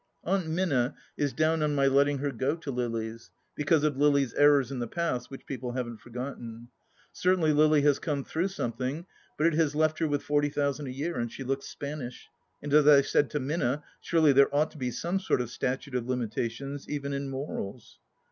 Aunt Minna is down on my letting her go to Lily's, becalise of Lily's errors in the past, which people haven't forgotten. Certainly Lily has come through something, but it has left her with forty thousand a year, and she looks Spanish ; and as I said to Minna, surely there ought to be some sort of statute of limitations, even in morals